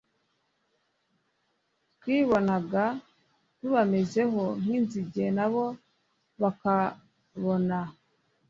twibonaga tubamezeho nk inzige na bo bakabona